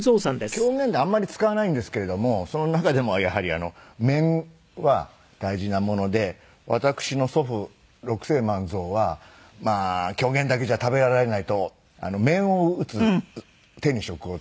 狂言であんまり使わないんですけれどもその中でもやはり面は大事なもので私の祖父六世万蔵は狂言だけじゃ食べられないと面を打つ手に職をつけて。